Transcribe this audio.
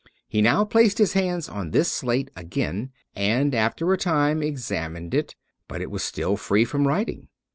He now placed his hands on this slate again, and after a time examined it ; but it was still free from writing.